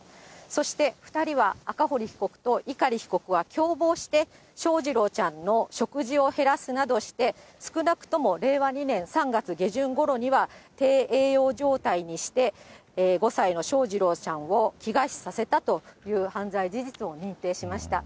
そして２人は赤堀被告と碇被告は共謀して翔士郎ちゃんの食事を減らすなどして、少なくとも令和２年３月下旬ごろには、低栄養状態にして、５歳の翔士郎ちゃんを飢餓死させたという犯罪事実を認定しました。